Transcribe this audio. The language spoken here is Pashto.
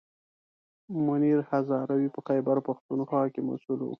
منیر هزاروي په خیبر پښتونخوا کې مسوول و.